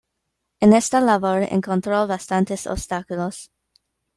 En esta labor encontró bastantes obstáculos.